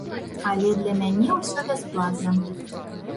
Але для мяне ўсё бясплатна.